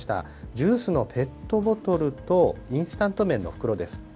ジュースのペットボトルとインスタント麺の袋です。